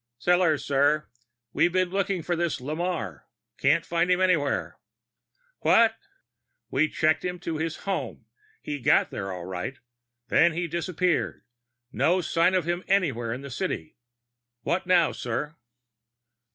"Sellors, sir. We've been looking for this Lamarre. Can't find him anywhere." "What?" "We checked him to his home. He got there, all right. Then he disappeared. No sign of him anywhere in the city. What now, sir?"